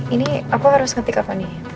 ini aku harus ketik apa nih